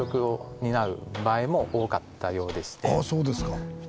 そうですか。